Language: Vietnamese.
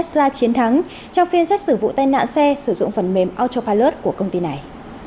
các bộ thẩm đoàn tesla chiến thắng trong phiên sách sử vụ tên nạn xe sử dụng phần mềm autopilot của công ty này